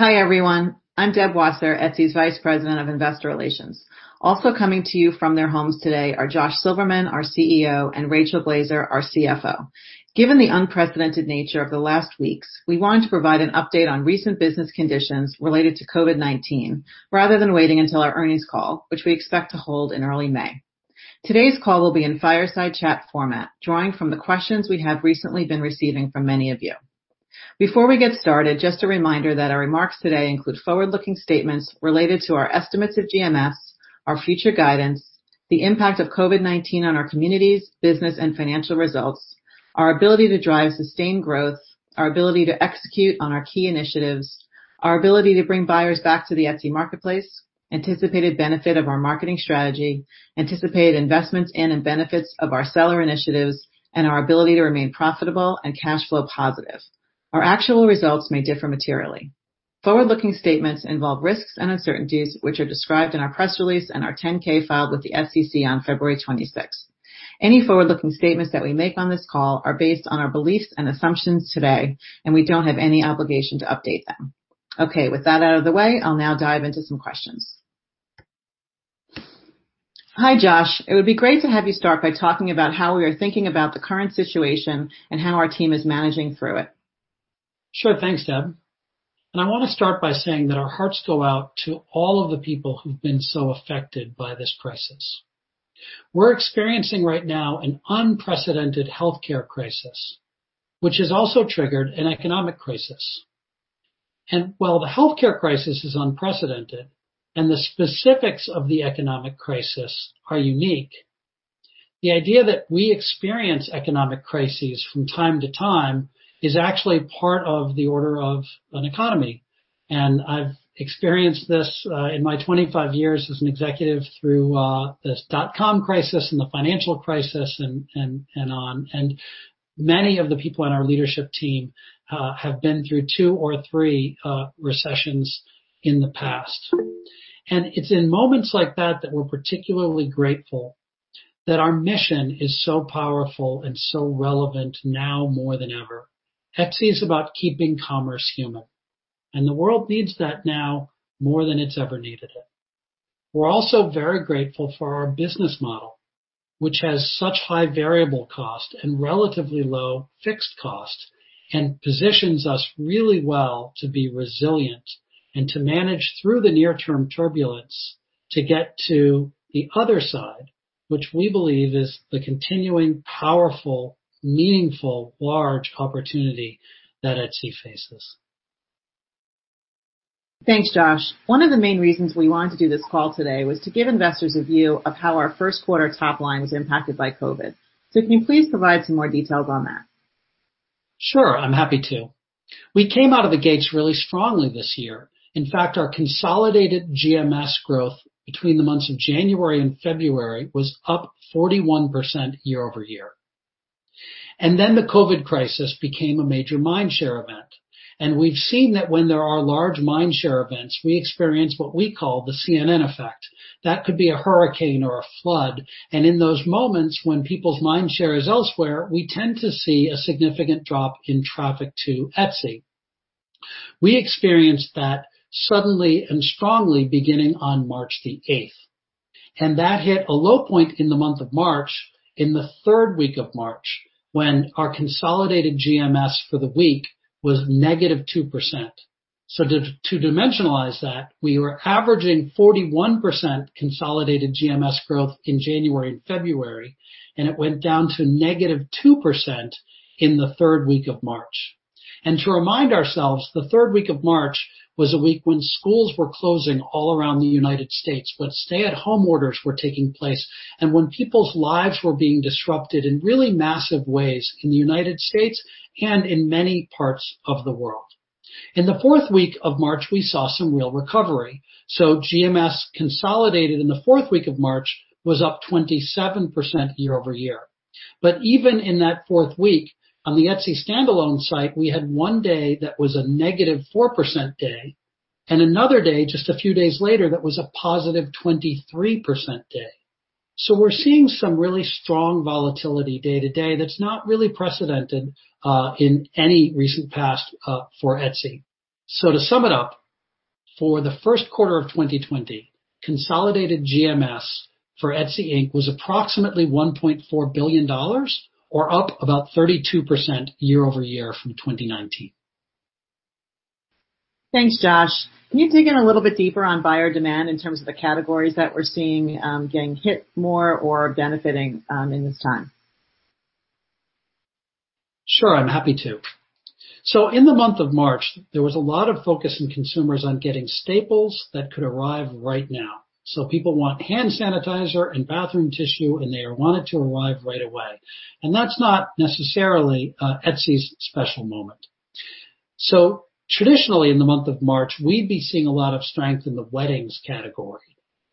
Hi, everyone. I'm Deb Wasser, Etsy's Vice President of Investor Relations. Also coming to you from their homes today are Josh Silverman, our CEO, and Rachel Glaser, our CFO. Given the unprecedented nature of the last weeks, we wanted to provide an update on recent business conditions related to COVID-19 rather than waiting until our earnings call, which we expect to hold in early May. Today's call will be in fireside chat format, drawing from the questions we have recently been receiving from many of you. Before we get started, just a reminder that our remarks today include forward-looking statements related to our estimates of GMS, our future guidance, the impact of COVID-19 on our communities, business, and financial results, our ability to drive sustained growth, our ability to execute on our key initiatives, our ability to bring buyers back to the Etsy marketplace, anticipated benefit of our marketing strategy, anticipated investments in and benefits of our seller initiatives, and our ability to remain profitable and cash flow positive. Our actual results may differ materially. Forward-looking statements involve risks and uncertainties, which are described in our press release and our 10K filed with the SEC on February 26th. Any forward-looking statements that we make on this call are based on our beliefs and assumptions today. We don't have any obligation to update them. Okay, with that out of the way, I'll now dive into some questions. Hi, Josh. It would be great to have you start by talking about how we are thinking about the current situation and how our team is managing through it. Sure. Thanks, Deb. I want to start by saying that our hearts go out to all of the people who've been so affected by this crisis. We're experiencing right now an unprecedented healthcare crisis, which has also triggered an economic crisis. While the healthcare crisis is unprecedented and the specifics of the economic crisis are unique, the idea that we experience economic crises from time to time is actually part of the order of an economy. I've experienced this in my 25 years as an executive through the dot com crisis and the financial crisis and on, and many of the people on our leadership team have been through two or three recessions in the past. It's in moments like that that we're particularly grateful that our mission is so powerful and so relevant now more than ever. Etsy is about keeping commerce human, and the world needs that now more than it's ever needed it. We're also very grateful for our business model, which has such high variable cost and relatively low fixed cost and positions us really well to be resilient and to manage through the near-term turbulence to get to the other side, which we believe is the continuing powerful, meaningful, large opportunity that Etsy faces. Thanks, Josh. One of the main reasons we wanted to do this call today was to give investors a view of how our first quarter top line was impacted by COVID. Can you please provide some more details on that? Sure, I'm happy to. We came out of the gates really strongly this year. In fact, our consolidated GMS growth between the months of January and February was up 41% year-over-year. The COVID crisis became a major mind share event, and we've seen that when there are large mind share events, we experience what we call the CNN effect. That could be a hurricane or a flood, and in those moments when people's mind share is elsewhere, we tend to see a significant drop in traffic to Etsy. We experienced that suddenly and strongly beginning on March the 8th, and that hit a low point in the month of March in the third week of March when our consolidated GMS for the week was -2%. To dimensionalize that, we were averaging 41% consolidated GMS growth in January and February, it went down to -2% in the third week of March. To remind ourselves, the third week of March was a week when schools were closing all around the United States, when stay at home orders were taking place, and when people's lives were being disrupted in really massive ways in the United States and in many parts of the world. In the fourth week of March, we saw some real recovery. GMS consolidated in the fourth week of March was up 27% year-over-year. Even in that fourth week, on the Etsy standalone site, we had one day that was a -4% day and another day just a few days later that was a 23% day. We're seeing some really strong volatility day to day that's not really precedented in any recent past for Etsy. To sum it up, for the first quarter of 2020, consolidated GMS for Etsy, Inc. was approximately $1.4 billion, or up about 32% year-over-year from 2019. Thanks, Josh. Can you dig in a little bit deeper on buyer demand in terms of the categories that we're seeing getting hit more or benefiting in this time? Sure, I'm happy to. In the month of March, there was a lot of focus on consumers on getting staples that could arrive right now. People want hand sanitizer and bathroom tissue, and they want it to arrive right away. That's not necessarily Etsy's special moment. Traditionally in the month of March, we'd be seeing a lot of strength in the weddings category.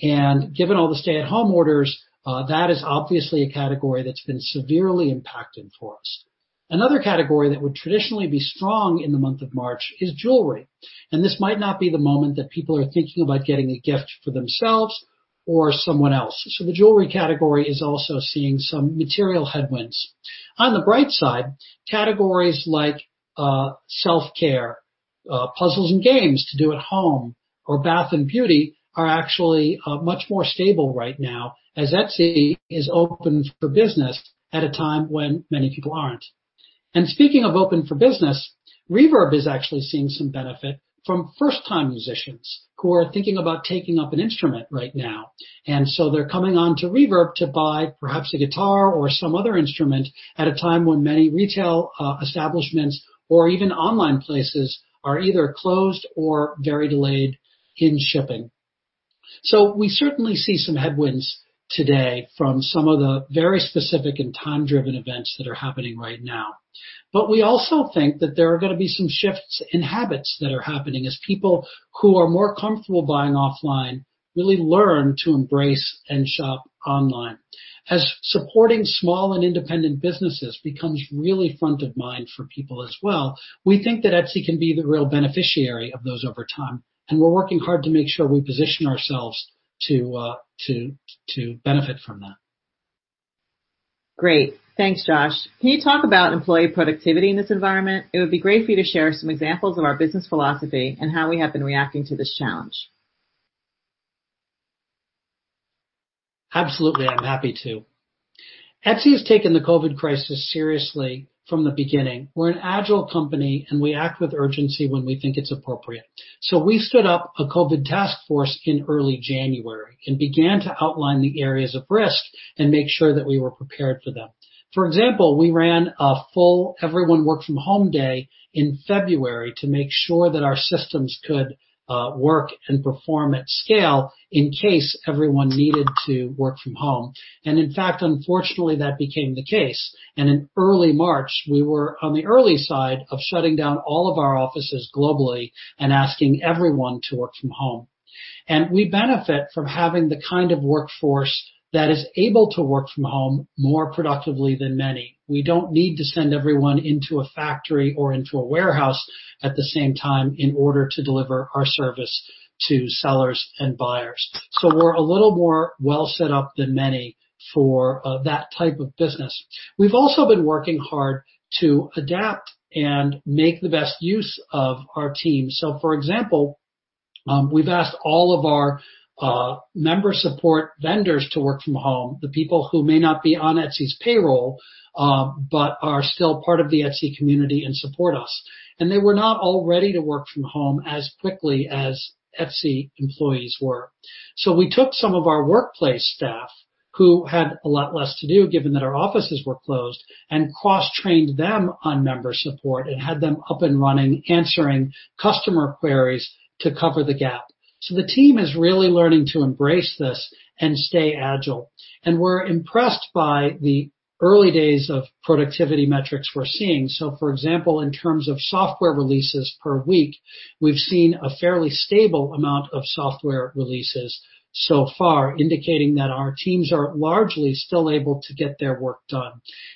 Given all the stay at home orders, that is obviously a category that's been severely impacted for us. Another category that would traditionally be strong in the month of March is jewelry. This might not be the moment that people are thinking about getting a gift for themselves or someone else. The jewelry category is also seeing some material headwinds. On the bright side, categories like self-care, puzzles and games to do at home, or bath and beauty, are actually much more stable right now as Etsy is open for business at a time when many people aren't. Speaking of open for business, Reverb is actually seeing some benefit from first-time musicians who are thinking about taking up an instrument right now. They're coming onto Reverb to buy perhaps a guitar or some other instrument at a time when many retail establishments, or even online places, are either closed or very delayed in shipping. We certainly see some headwinds today from some of the very specific and time-driven events that are happening right now. We also think that there are going to be some shifts in habits that are happening as people who are more comfortable buying offline really learn to embrace and shop online. As supporting small and independent businesses becomes really front of mind for people as well, we think that Etsy can be the real beneficiary of those over time, and we're working hard to make sure we position ourselves to benefit from that. Great. Thanks, Josh. Can you talk about employee productivity in this environment? It would be great for you to share some examples of our business philosophy and how we have been reacting to this challenge. Absolutely. I'm happy to. Etsy has taken the COVID crisis seriously from the beginning. We're an agile company, we act with urgency when we think it's appropriate. We stood up a COVID task force in early January and began to outline the areas of risk and make sure that we were prepared for them. For example, we ran a full everyone work from home day in February to make sure that our systems could work and perform at scale in case everyone needed to work from home. In fact, unfortunately, that became the case. In early March, we were on the early side of shutting down all of our offices globally and asking everyone to work from home. We benefit from having the kind of workforce that is able to work from home more productively than many. We don't need to send everyone into a factory or into a warehouse at the same time in order to deliver our service to sellers and buyers. We're a little more well set up than many for that type of business. We've also been working hard to adapt and make the best use of our team. For example, we've asked all of our member support vendors to work from home, the people who may not be on Etsy's payroll, but are still part of the Etsy community and support us. They were not all ready to work from home as quickly as Etsy employees were. We took some of our workplace staff, who had a lot less to do given that our offices were closed, and cross-trained them on member support and had them up and running, answering customer queries to cover the gap. The team is really learning to embrace this and stay agile. We're impressed by the early days of productivity metrics we're seeing. For example, in terms of software releases per week, we've seen a fairly stable amount of software releases so far, indicating that our teams are largely still able to get their work done.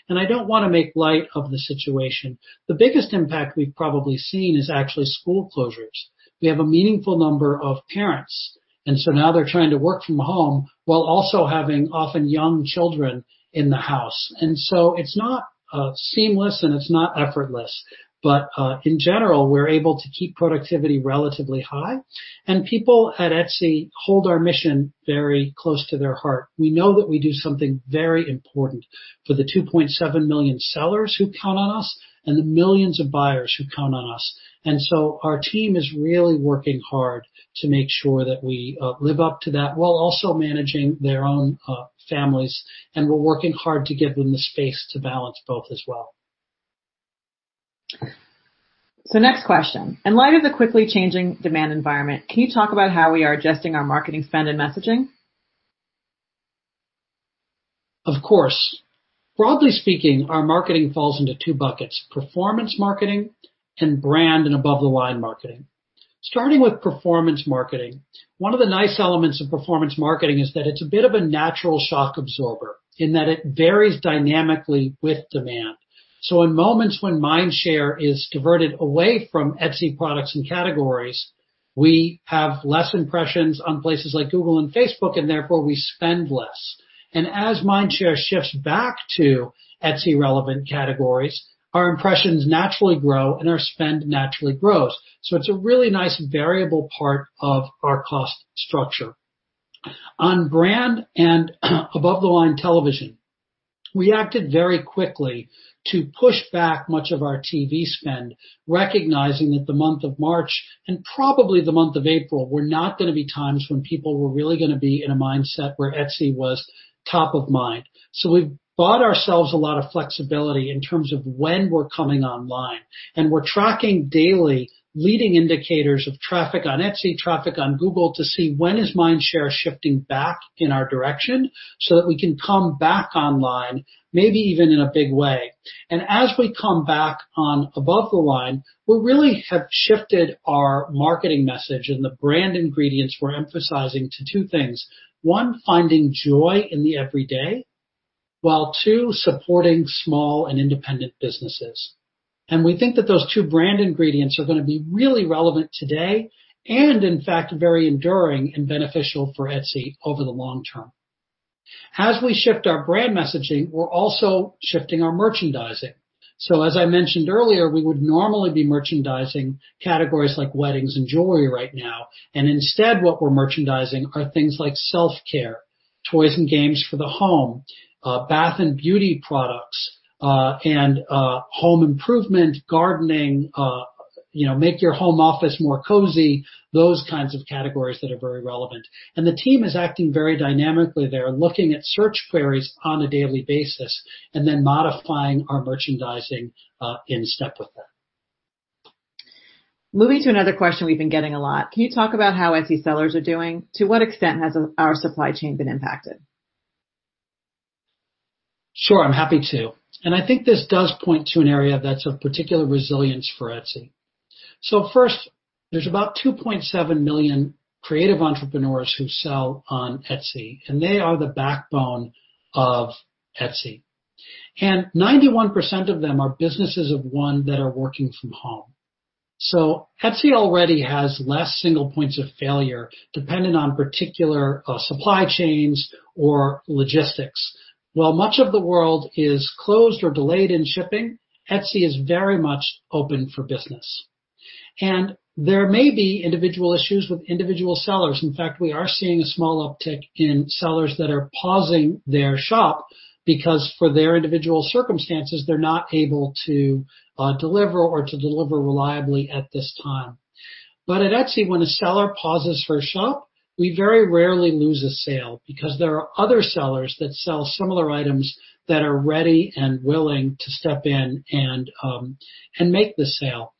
I don't want to make light of the situation. The biggest impact we've probably seen is actually school closures. We have a meaningful number of parents, and so now they're trying to work from home while also having often young children in the house. It's not seamless, and it's not effortless. In general, we're able to keep productivity relatively high, and people at Etsy hold our mission very close to their heart. We know that we do something very important for the 2.7 million sellers who count on us and the millions of buyers who count on us. Our team is really working hard to make sure that we live up to that, while also managing their own families, and we're working hard to give them the space to balance both as well. Next question. In light of the quickly changing demand environment, can you talk about how we are adjusting our marketing spend and messaging? Of course. Broadly speaking, our marketing falls into two buckets, performance marketing and brand and above-the-line marketing. Starting with performance marketing, one of the nice elements of performance marketing is that it's a bit of a natural shock absorber in that it varies dynamically with demand. In moments when mind share is diverted away from Etsy products and categories, we have less impressions on places like Google and Facebook, and therefore we spend less. As mind share shifts back to Etsy-relevant categories, our impressions naturally grow, and our spend naturally grows. It's a really nice variable part of our cost structure. On brand and above-the-line television, we acted very quickly to push back much of our TV spend, recognizing that the month of March, and probably the month of April, were not going to be times when people were really going to be in a mindset where Etsy was top of mind. We've bought ourselves a lot of flexibility in terms of when we're coming online, and we're tracking daily leading indicators of traffic on Etsy, traffic on Google, to see when is mind share shifting back in our direction, so that we can come back online, maybe even in a big way. As we come back on above the line, we really have shifted our marketing message and the brand ingredients we're emphasizing to two things. One, finding joy in the everyday. While two, supporting small and independent businesses. We think that those two brand ingredients are going to be really relevant today, and in fact, very enduring and beneficial for Etsy over the long term. As we shift our brand messaging, we're also shifting our merchandising. As I mentioned earlier, we would normally be merchandising categories like weddings and jewelry right now. Instead, what we're merchandising are things like self-care, toys and games for the home, bath and beauty products, and home improvement, gardening, make your home office more cozy, those kinds of categories that are very relevant. The team is acting very dynamically there, looking at search queries on a daily basis, and then modifying our merchandising in step with that. Moving to another question we've been getting a lot. Can you talk about how Etsy sellers are doing? To what extent has our supply chain been impacted? Sure, I'm happy to. I think this does point to an area that's of particular resilience for Etsy. First, there's about 2.7 million creative entrepreneurs who sell on Etsy, and they are the backbone of Etsy. 91% of them are businesses of one that are working from home. Etsy already has less single points of failure dependent on particular supply chains or logistics. While much of the world is closed or delayed in shipping, Etsy is very much open for business. There may be individual issues with individual sellers. In fact, we are seeing a small uptick in sellers that are pausing their shop because for their individual circumstances, they're not able to deliver or to deliver reliably at this time. At Etsy, when a seller pauses for a shop, we very rarely lose a sale because there are other sellers that sell similar items that are ready and willing to step in and make the sale.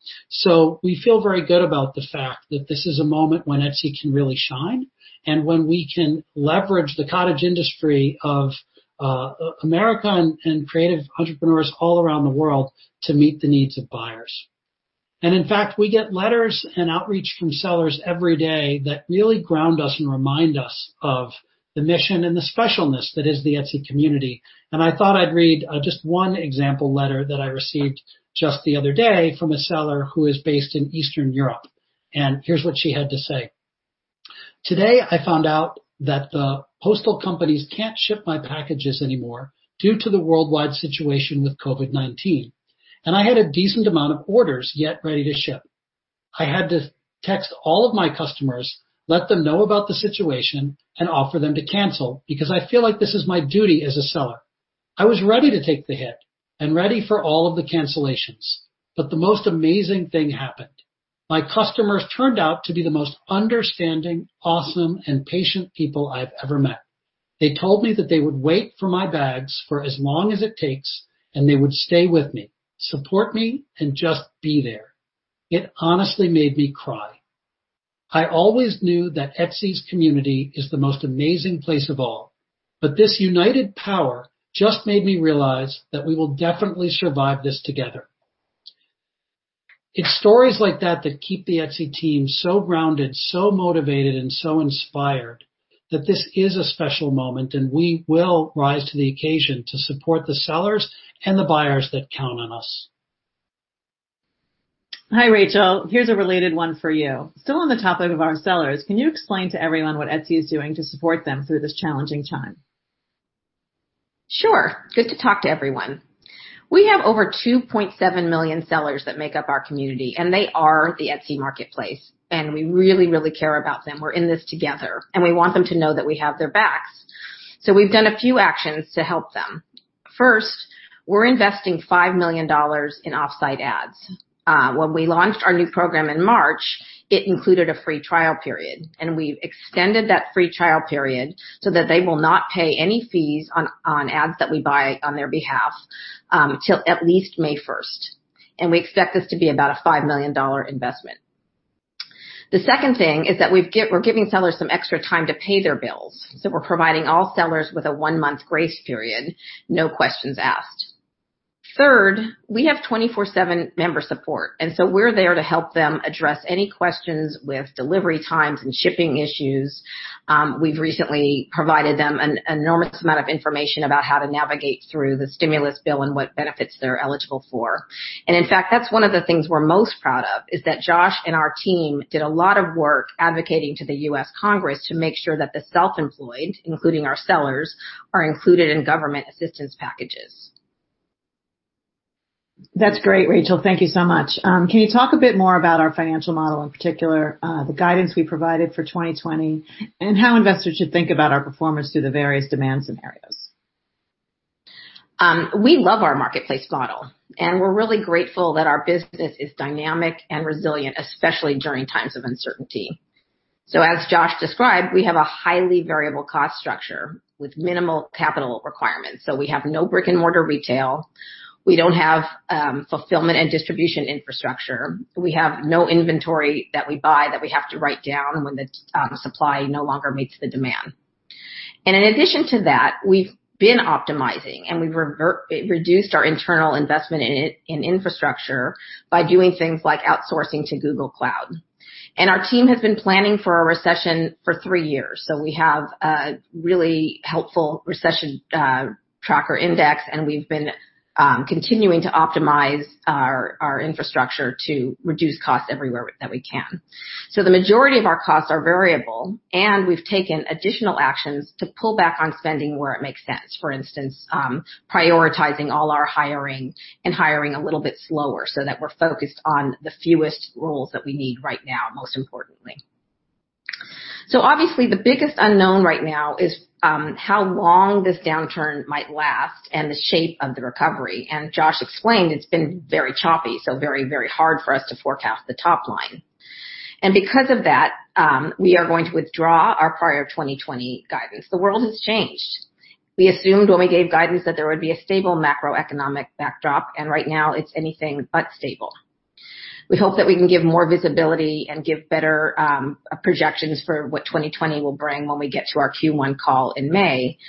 We feel very good about the fact that this is a moment when Etsy can really shine, and when we can leverage the cottage industry of America and creative entrepreneurs all around the world to meet the needs of buyers. In fact, we get letters and outreach from sellers every day that really ground us and remind us of the mission and the specialness that is the Etsy community. I thought I'd read just one example letter that I received just the other day from a seller who is based in Eastern Europe. Here's what she had to say. Today I found out that the postal companies can't ship my packages anymore due to the worldwide situation with COVID-19, and I had a decent amount of orders yet ready to ship. I had to text all of my customers, let them know about the situation, and offer them to cancel because I feel like this is my duty as a seller. I was ready to take the hit and ready for all of the cancellations. The most amazing thing happened. My customers turned out to be the most understanding, awesome, and patient people I've ever met. They told me that they would wait for my bags for as long as it takes, and they would stay with me, support me, and just be there. It honestly made me cry. I always knew that Etsy's community is the most amazing place of all, but this united power just made me realize that we will definitely survive this together. It's stories like that that keep the Etsy team so grounded, so motivated, and so inspired that this is a special moment, and we will rise to the occasion to support the sellers and the buyers that count on us. Hi, Rachel. Here's a related one for you. Still on the topic of our sellers, can you explain to everyone what Etsy is doing to support them through this challenging time? Sure. Good to talk to everyone. We have over 2.7 million sellers that make up our community, they are the Etsy marketplace, we really care about them. We're in this together, we want them to know that we have their backs. We've done a few actions to help them. First, we're investing $5 million in off-site ads. When we launched our new program in March, it included a free trial period, we've extended that free trial period so that they will not pay any fees on ads that we buy on their behalf, till at least May 1st. We expect this to be about a $5 million investment. The second thing is that we're giving sellers some extra time to pay their bills. We're providing all sellers with a one-month grace period, no questions asked. Third, we have 24/7 member support, and so we're there to help them address any questions with delivery times and shipping issues. We've recently provided them an enormous amount of information about how to navigate through the stimulus bill and what benefits they're eligible for. In fact, that's one of the things we're most proud of, is that Josh and our team did a lot of work advocating to the U.S. Congress to make sure that the self-employed, including our sellers, are included in government assistance packages. That's great, Rachel. Thank you so much. Can you talk a bit more about our financial model, in particular, the guidance we provided for 2020, and how investors should think about our performance through the various demand scenarios? We love our marketplace model, and we're really grateful that our business is dynamic and resilient, especially during times of uncertainty. As Josh described, we have a highly variable cost structure with minimal capital requirements. We have no brick-and-mortar retail. We don't have fulfillment and distribution infrastructure. We have no inventory that we buy that we have to write down when the supply no longer meets the demand. In addition to that, we've been optimizing, and we've reduced our internal investment in infrastructure by doing things like outsourcing to Google Cloud. Our team has been planning for a recession for three years. We have a really helpful recession tracker index, and we've been continuing to optimize our infrastructure to reduce costs everywhere that we can. The majority of our costs are variable, and we've taken additional actions to pull back on spending where it makes sense. For instance, prioritizing all our hiring and hiring a little bit slower so that we're focused on the fewest roles that we need right now, most importantly. Obviously the biggest unknown right now is how long this downturn might last and the shape of the recovery. Josh explained it's been very choppy, so very hard for us to forecast the top line. Because of that, we are going to withdraw our prior 2020 guidance. The world has changed. We assumed when we gave guidance that there would be a stable macroeconomic backdrop, and right now it's anything but stable. We hope that we can give more visibility and give better projections for what 2020 will bring when we get to our Q1 call in May.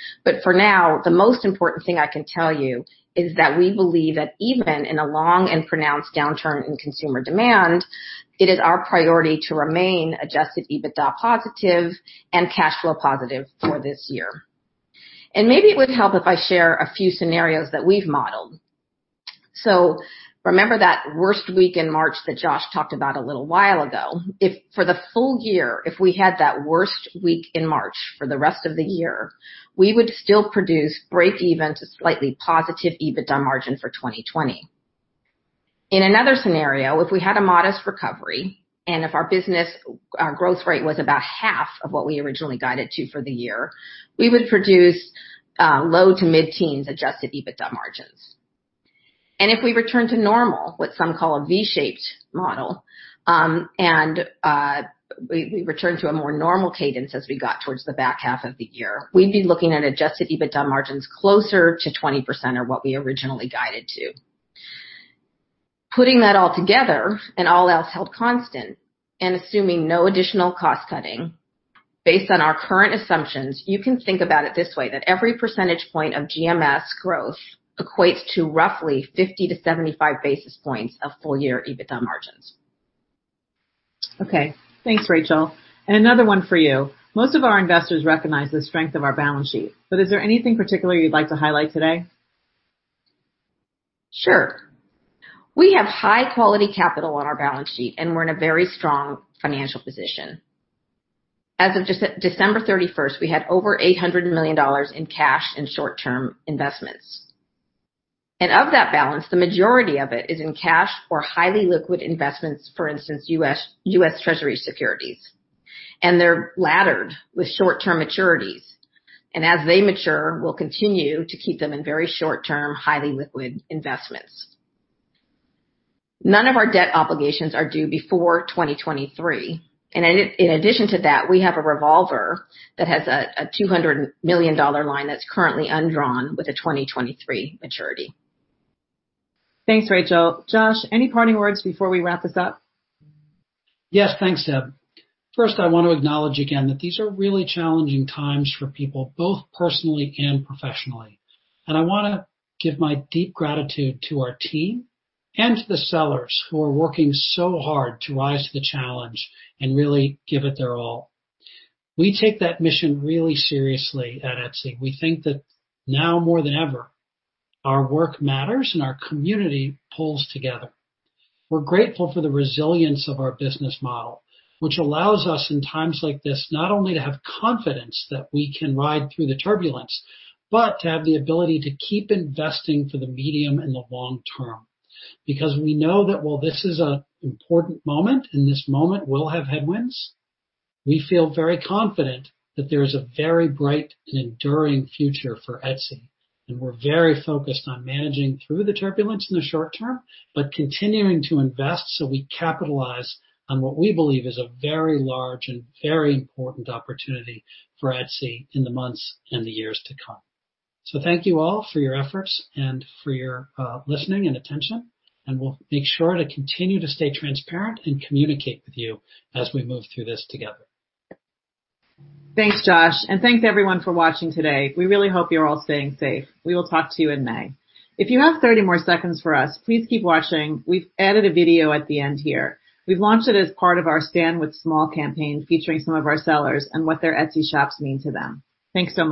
For now, the most important thing I can tell you is that we believe that even in a long and pronounced downturn in consumer demand, it is our priority to remain adjusted EBITDA positive and cash flow positive for this year. Maybe it would help if I share a few scenarios that we've modeled. Remember that worst week in March that Josh talked about a little while ago. If for the full year, if we had that worst week in March for the rest of the year, we would still produce breakeven to slightly positive EBITDA margin for 2020. In another scenario, if we had a modest recovery, if our business, our growth rate was about half of what we originally guided to for the year, we would produce low to mid-teens adjusted EBITDA margins. If we return to normal, what some call a V-shaped model, and we return to a more normal cadence as we got towards the back half of the year, we'd be looking at adjusted EBITDA margins closer to 20% or what we originally guided to. Putting that all together and all else held constant and assuming no additional cost-cutting, based on our current assumptions, you can think about it this way, that every percentage point of GMS growth equates to roughly 50-75 basis points of full-year EBITDA margins. Okay, thanks, Rachel. Another one for you. Most of our investors recognize the strength of our balance sheet, but is there anything particular you'd like to highlight today? Sure. We have high-quality capital on our balance sheet, we're in a very strong financial position. As of December 31st, we had over $800 million in cash and short-term investments. Of that balance, the majority of it is in cash or highly liquid investments, for instance, U.S. Treasury securities. They're laddered with short-term maturities. As they mature, we'll continue to keep them in very short-term, highly liquid investments. None of our debt obligations are due before 2023. In addition to that, we have a revolver that has a $200 million line that's currently undrawn with a 2023 maturity. Thanks, Rachel. Josh, any parting words before we wrap this up? Yes, thanks, Deb. First, I want to acknowledge again that these are really challenging times for people, both personally and professionally. I want to give my deep gratitude to our team and to the sellers who are working so hard to rise to the challenge and really give it their all. We take that mission really seriously at Etsy. We think that now more than ever, our work matters, and our community pulls together. We're grateful for the resilience of our business model, which allows us, in times like this, not only to have confidence that we can ride through the turbulence, but to have the ability to keep investing for the medium and the long term. We know that while this is an important moment, and this moment will have headwinds, we feel very confident that there is a very bright and enduring future for Etsy, and we're very focused on managing through the turbulence in the short term, but continuing to invest so we capitalize on what we believe is a very large and very important opportunity for Etsy in the months and the years to come. Thank you all for your efforts and for your listening and attention, and we'll make sure to continue to stay transparent and communicate with you as we move through this together. Thanks, Josh, and thanks everyone for watching today. We really hope you're all staying safe. We will talk to you in May. If you have 30 more seconds for us, please keep watching. We've added a video at the end here. We've launched it as part of our Stand with Small campaign featuring some of our sellers and what their Etsy shops mean to them. Thanks again.